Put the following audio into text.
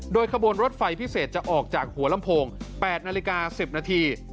โดยขบวนรถไฟพิเศษจะออกจากหัวลำโพง๘นาฬิกา๑๐นาที